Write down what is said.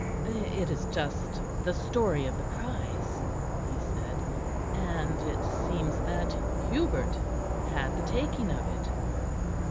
"It is just the story of the prize," he said, "and it seems that Hubert had the taking of it."